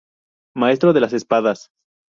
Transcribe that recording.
Maestro de las Espadas.